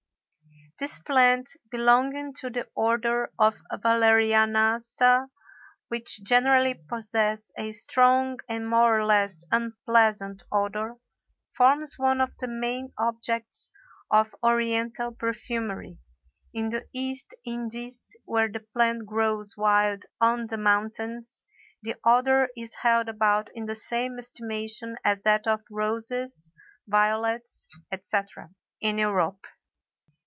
This plant, belonging to the Order of Valerianaceæ, which generally possess a strong and more or less unpleasant odor, forms one of the main objects of Oriental perfumery; in the East Indies, where the plant grows wild on the mountains, the odor is held about in the same estimation as that of roses, violets, etc., in Europe.